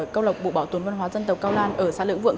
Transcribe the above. của dân tộc cao lan ở xã lưỡng vượng